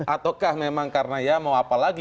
ataukah memang karena ya mau apa lagi